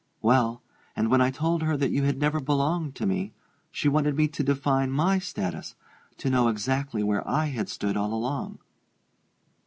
"Well and when I told her that you had never belonged to me, she wanted me to define my status to know exactly where I had stood all along."